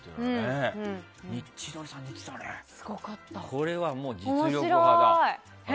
これは、実力派だ。